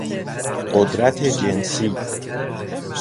قدرت جنسی